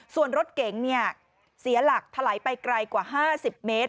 ส่วนรถเก๋งเสียหลักถลายไปไกลกว่า๕๐เมตร